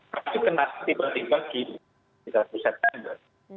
tapi kena tiba tiba gitu tiga puluh september